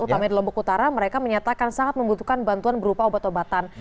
utama di lombok utara mereka menyatakan sangat membutuhkan bantuan berupa obat obatan